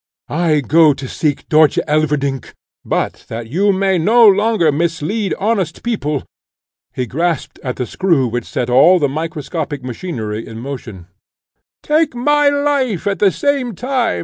I go to seek Dörtje Elverdink but that you may no longer mislead honest people " He grasped at the screw which set all the microscopic machinery in motion "Take my life at the same time!"